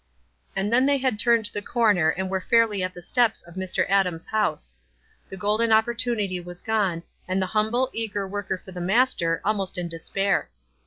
And then the}' had turned the corner and were fairly at the steps of Mr. Adams' house. The golden opportunity was gone, and the humble, eager worker for the Master, almost in despair.